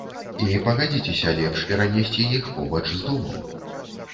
І пагадзіцеся, лепш перанесці іх побач з домам.